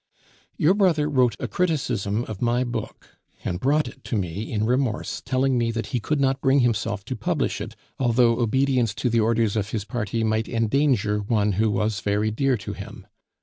Your brother wrote a criticism of my book, and brought it to me in remorse, telling me that he could not bring himself to publish it, although obedience to the orders of his party might endanger one who was very dear to him.